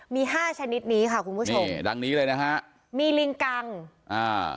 มีห้าชนิดนี้ค่ะคุณผู้ชมนี่ดังนี้เลยนะฮะมีลิงกังอ่า